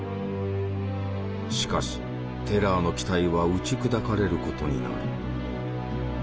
しかしテラーの期待は打ち砕かれることになる。